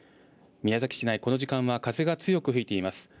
宮崎市内、この時間は、風が強く吹いています。